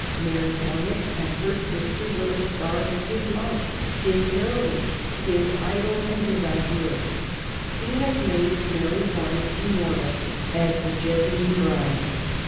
Mary Horneck and her sister were the stars of his life, his heroines, his idols, his ideals. He has made Mary Horneck immortal as the "Jessamy Bride."